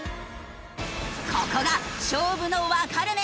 ここが勝負の分かれ目！